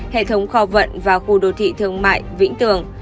hệ thống kho vận và khu đô thị thương mại vĩnh tường